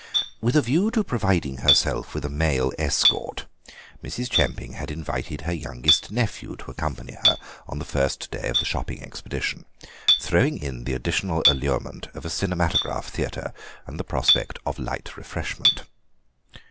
With a view to providing herself with a male escort Mrs. Chemping had invited her youngest nephew to accompany her on the first day of the shopping expedition, throwing in the additional allurement of a cinematograph theatre and the prospect of light refreshment.